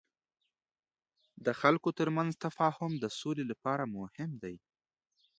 د خلکو ترمنځ تفاهم د سولې لپاره مهم دی.